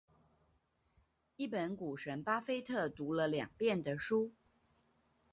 一本股神巴菲特讀了兩遍的書